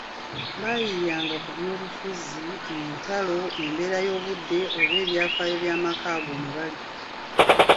Baayiiiyanga ku by’obubufuzi, entalo, embeera y’obudde oba ebyafaayo by'amaka ago mwe bali.